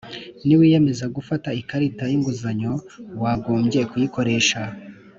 niwiyemeza gufata ikarita y’inguzanyo wagombye kuyikoresha